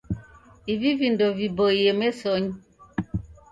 Ivi vindo vaboie mesonyi.